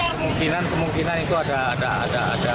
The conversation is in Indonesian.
kemungkinan kemungkinan itu ada ada ada ada